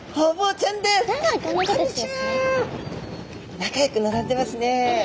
仲よく並んでますね。